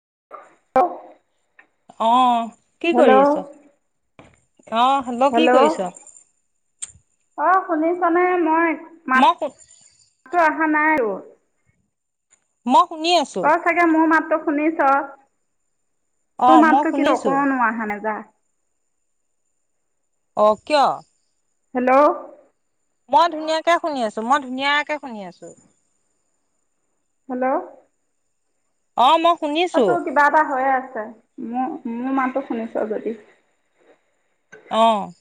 [unintelligible] অ'। কি কৰি আছ? অহ হেল্ল' কি কৰিছ? অঁ শুনিছনে? মই ম শু তো অহা নাই ও। ম তই চাগে মো মাতটো শুনিছ? তোৰ অ', মই মাততো কিন্তু শুনিছো। অকনো আহা নাই যা। অ' কিয়? হেল্ল'। মই ধুনীয়াকে শুনি আছো, মই ধুনীয়াকে শুনি আছো। হেল্ল'। অ' ম অ' তোৰ কিবা এটা হয় আছে ছে, মো-মোৰ মানটো শুনিছ যদি অ'।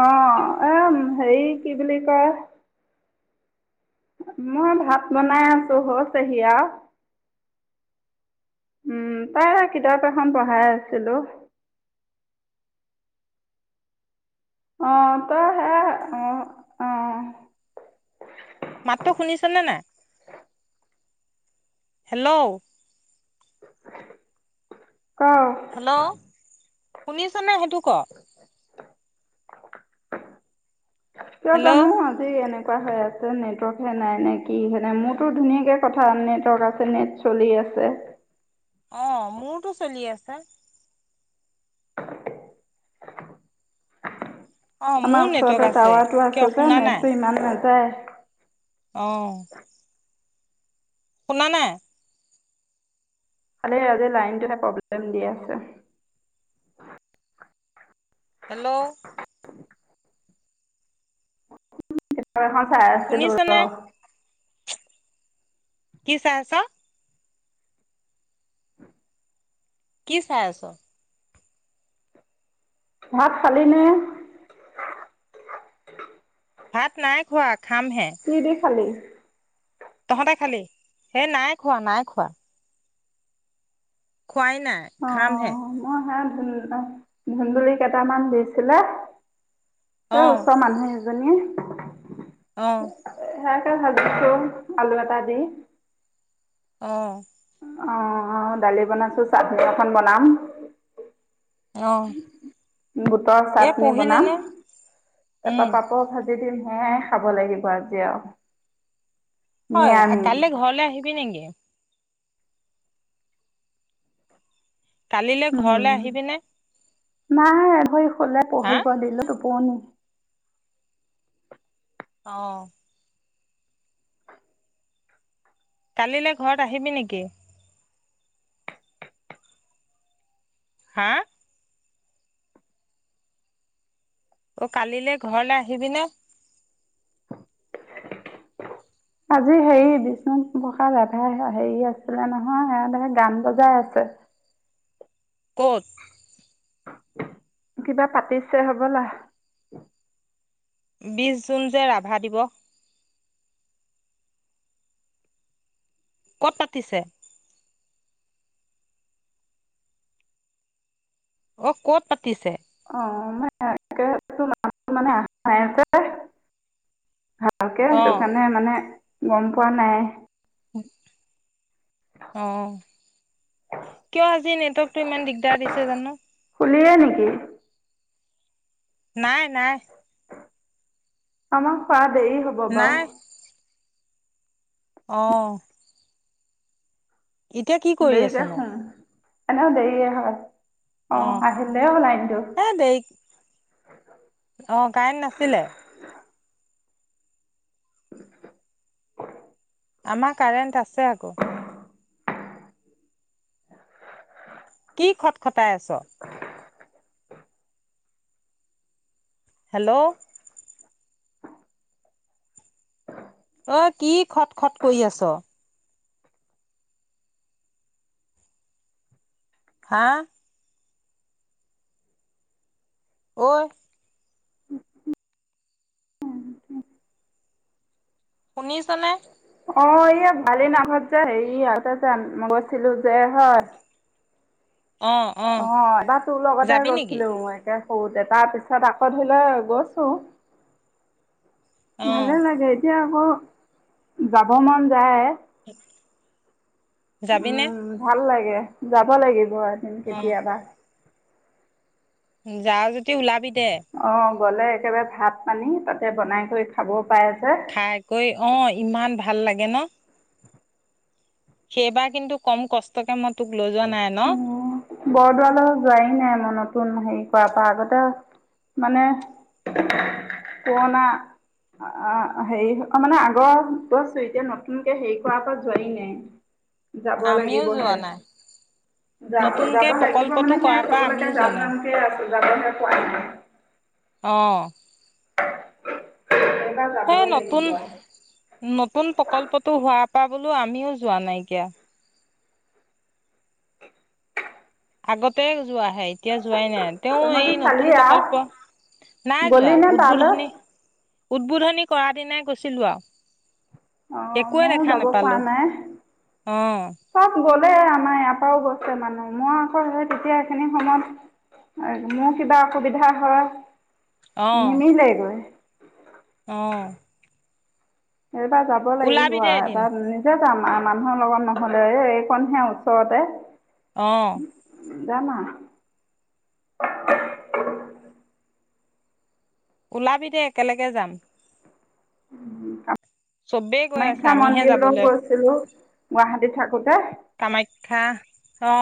অ' এ হেৰি কি বুলি কয় মই ভাত বনাই আছো হৈছেহি আও, উম তাই কিতাপ এখন পঢ়াই আছিলো। অ' ত হেয়া অ', অ'। মাততো শুনিছনে নাই? হেল্ল'। হেল্ল' ক'। শুনিছনে হেটো ক'। কিয় জানো হেল্ল' আজি এনে নেকুৱা হৈ আছে নেটৱৰ্ক হে নাই নে কিহে নাই মোৰতো ধুনীয়াকে কথা নেটৱৰ্ক আছে নেট চলি আছে অ মোৰতো চলি আছে অ', মোৰ আমাৰ নেটৱৰ্ক ওচৰতে আছে। টাৱাৰ টো কিয় আছে যে নেট টো ইমান ন হয় অঁ শুনানোই খালে আজি লাইনটোহে প্ৰব্লেম দি আছে হেল্ল' [inaudible] ত চাই আছিল শুনিছনে? কি চাহচা কি চাই আছ ভাত খালিনে ভাত নাই খোৱ কি দে খালি তহঁতে খালি সেই নাই খোৱা নাই খোৱা খুৱাই নাই অ' খামহে মই হে ধুন্দুলি কেইটামান দিছিলে এ ওচৰ মানুহে জনীয়ে আহ হালছো আলুৱতা দি অঁ অ অ ডালি বনাইছো চ ধাখন বনাম অ'। বুটৰ এই চাটনি বনাম পঢ়িলেনে? তাৰ উম। পৰাা পাপৰ ভাজি দিম সেয় খাব লাগিব আজি আৰু হয় নিৰামিষ কাইলৈ ঘৰলে আহিবি নেকি কালিলৈ ঘৰলৈ আহিবিনে মা ভ কলে হা? পঢ়িব দিলো বনি অ কালিলৈ ঘৰত আহিবি নেকি হা অ কালিলৈ ঘৰলে আহিবিনে আজি হেৰি বিষ্ণু প্ৰসাদ ৰাভাই হেৰি আছিলে নহয় এ গান বজাই আছে [unintelligible] ক'ত কিবা পাতিছে হবলা বিশ জুন যে ৰাভা দিৱস ক'ত পাতিছে? অ, ক'ত পাতিছে? অ [unintelligible] ভালকে সেটো অ', কাণে মানে মম পোৱা নাই [inaudible] অ, কিয় আজি নেট-তকটোৱে ইমান দিগদাৰ দিছে? জানো শুলিয়ে নেকি নাই-নাই আমা শুৱাত দেৰি হ'ব বাও নাই। অ ইতিয়া কি কৰি আছ দেৰিকে ন? শুম এনেও দেৰিয়ে হয়। অ, আহিলে অ লাইনটো এ দেয়ি, অ-কায়েণ নাছিলে? আমা কাৰেণ্ট আছে আকৌ [inaudible] কি খট্-খটাই আছ? [inaudible] হেলৌ অ, কি খট খট কয়ি আছ? হা? অই শুনিছনে? অ এইয়া ভালেই নামঘৰত যে হেৰি আগতে যে আম-ম গৈছিলো যে হয়। অ একবাৰ তোৰ লগতে যাবি নেকি গৈছিলো মই একে ঔ দেতাৰ পিছত আকৌ ধৰি- ল, গৈছো। [unintelligible] অ ভালে লাগে এতিয়াহ ম, যাব মন যায়ে যাবিনে উম, ভাল লাগে। যাব লাগিব আৰ এন্ অ কেতিয়াবা। যাওঁ যত্ তি ওলাবি দে অ গ'লে একেবাৰে ভাত পানী তাতে বনাই কৰি খাবপ খাই-কয়ি অ, ইমান ভা ভাল লাগে ন? সেইবাৰ কিন্তু কম কষ্টকে মত ঙ, বৰদোৱালৈ, যোৱাই নাই মনত নতুন হেৰি কৰাৰ পৰা আগতে মানে পুৰণা আহ হেৰি মানে আগৰ কছো এতিয়া নতুনকে হেৰি কৰাৰ পৰা যোৱাৰি নাই। যাব আমিও লাগিবহে, যোৱা নাই যাব নতুনকে যাব লাগিব প্ৰকল্পটো মানে সে কৰাৰ পৰা চবলৈকে আমিও যোৱা যাম নাই জামকে আছে। যাব অঁ! [inaudible] সেই লাগিব। নতুন নতুন প্ৰকল্পতো হোৱা পাবলৈও আমিও যোৱা নাইকিয়া। আগতে, ে এতিয়া যোৱাই নাই তেওঁ তহঁতি এই চালি নতুন আও প্ৰকল্প নাই গলি যোৱা নে তালৈ? উদ্বোধনী উদ্বোধন। কৰা দিনাই গৈছিলোঁ আৰু অ একোৱে মইও দেখা যাব পৰা নাপালো নাই অ চব গলে আমাৰ ইয়াত ও বসছে মানুহ মই আখৰ হয় তেতিয়া এইখিনি সময়ত মোৰ কিবা অসুবিধা হয়। অ নিমি লাগ গ অ এইবাৰ যাব লাগিব ওলাবি দে আৰু এদিন এবাৰ নিজে আমাৰ মানুহৰ লগত নহলে এই এইখনহে ওচৰতে অ যামা। ওলাবি দেেই একেলগে যাম। উম! চবেই গৈ আছে কামাখ্যা আমিহে মন্দিৰো যাবলৈ গৈছিলো। গুৱাহাটীত থাকোতে। কামাখ্যা অ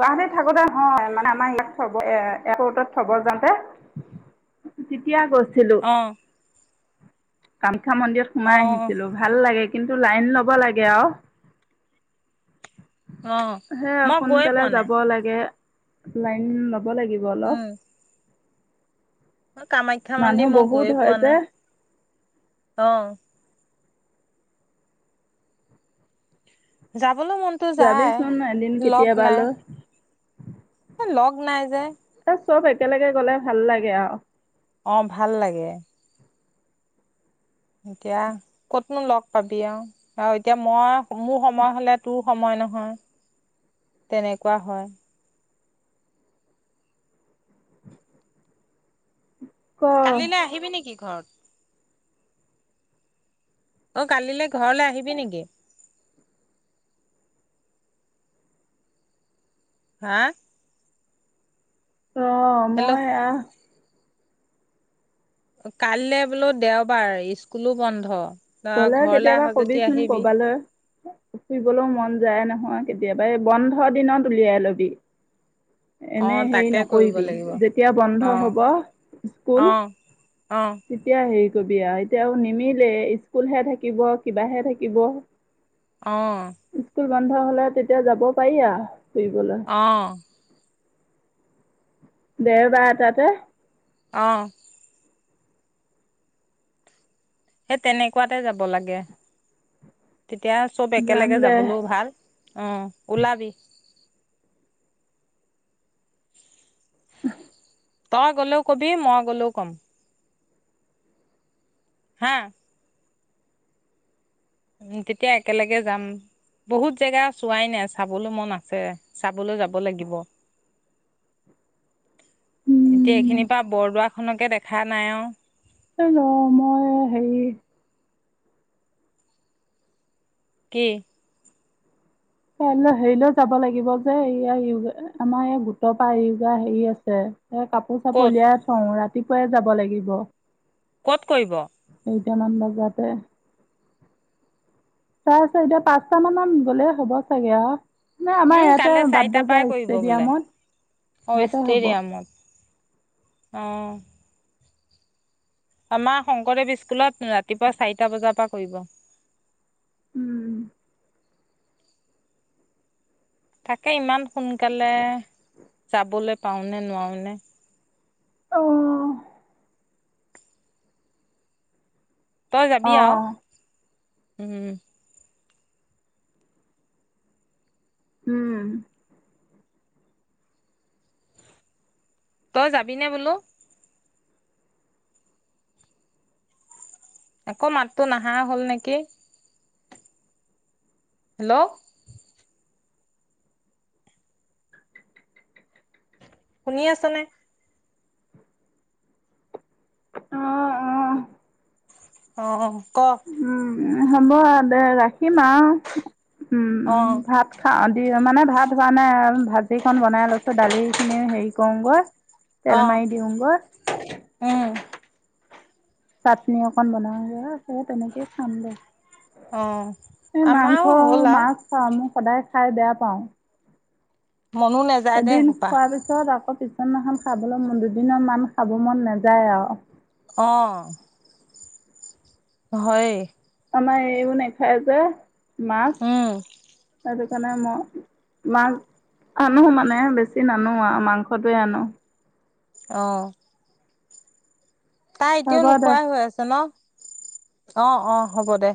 তাহালী থাকোতেহয় মানে আমাৰ এইলাক থব এ এপটত থব যাওঁতে তেতিয়া গৈছ অঁ! কাম। শিক্ষা মন্দিৰত সোমাই আহিছিলো ভাল লাগে। কিন্তু লাইন ল'ব লাগে আৰু, অ সেই মই গৈ সোনকালে যাব লাগে। [inaudible] লাগিব অলপ। উম মই কামাখ্যা মানুহ মন্দিৰ মই বহুত গৈয়ে হয় পোৱা যে নাই। অ যাব যাবিচোন এদিন কেতিয়াবা নাই লৈ লগ নাই যে এ চব একেলগে গলে ভাল লাগে আৰু অ ভাল লাগে এতিয়া কতনো লগ পাবি আৰু আৰু এতিয়া মই মোৰ সময় হলে তোৰ সময় নহয় তেনেকুৱা হয় ক কালিলৈ আহিবি নেকি ঘাট অ কালিলৈ ঘৰলৈ আহিবি নেকি হা আহ হেল্ল' মই আহ কাইলৈ বোলো দেওবাৰ স্কুলো বন্ধ গলে ঘৰলৈ আহ কেতিয়াবা যদি কবিচোন আহিবি কবালৈ ফুৰিবলৈও মন যায় নহয় কেতিয়াবা এই বন্ধ দিনত উলিয়াই লবি অ এনে হেৰি তাকে কৰিব নকৰিবি লাগিব যেতিয়া বন্ধ অ হ'ব স্কুল অ অ তেতিয়া হেৰি কবি এতিয়াও নিমিলে স্কুলহে থাকিব কিবাহে থাকিব আহ স্কুল বন্ধ হলে তেতিয়া যাব পাৰিা সবল অ দেওবাৰ তাতে অঁ সেই তেনেকুৱাতে যাব লাগে তেতিয়া চব যাম একেলগে দে যাবলৈও ভাল অ ওলাবি [inaudible] তই গলেও কবি মই গ'লেও কম হা উ তেতিয়া একেলগে যাম বহুত জেগা চোৱাই নাই চাবলৈ মন আছে চাবলৈ যাব লাগিব এতিয়া এইখিনিৰ পৰা বৰদোৱা খকে দেখা নাই আৰু হ মই হেৰি কি হেৰিলৈ যাব লাগিব যে ইয় আমাৰ ইয় গোটৰ পৰা য়োগা হেৰি আছে এ কাপোৰ চাপ ক'ত উলিয়াই থওঁ ৰাতি ৰাতিপুৱাই যাব লাগিব ক'ত কৰিব কেইটামান বজাতে চাই চাই এতিয়া পাঁচটা মানত গলে হ'ব চাগে নাই আমাৰ উম, ইয়াতে কাইলৈ বাট চাৰিটাৰ পৰাই বজাৰ কৰিব বোলে ষ্টেডিয়ামত সিহতে হ'ব আহ আমাৰ শংকৰদেৱ স্কুলত ৰাতিপুৱা চাৰিটা বজাৰ পৰা কৰিব উম। তাকে ইমান সোনকালে যাবলৈ পাওনে নোৱাওনে। অহ তই যাবি আউ উম উম তই যাবি নে বোলো আকৌ মাততো নাহা হ'ল নেকি হেল্লো। শুনি আছা নে অহ অহ অ ক' উম হব দে ৰা উম অ'। ভাত খাওঁ দি মানে ভাত হোৱা নাই ভাজিখন বনাই লৈছো দালি খিনিও হেৰি কৰোগৈ অ তেল মাৰি দিওঁগৈ। উম চাটনি অকন বনাওগে এই তেনেকেই খাম দে অ এই মাংস আমাৰো হ'ল আৰু মাছ খাম ম সদায় খাই বেয়া পাওঁ মনো নাযায় দেই এদিন সোপা খোৱাৰ পিছত আকৌ পিছত নাখন খাবলৈ দুইদিনৰ মান খাব মন নাযায় আও। অঁ। হয়৷ আমাৰ এইো নেখাই যে মাছ উম ত সেইকাৰণে মই মাছ আনো মানে বেছি নানো আৰু মাংসটোৱে আনো অঁ তাই এতিয়াও হ'ব দে। নোখোৱাই হৈ আছে ন। অ অ হ'ব দে।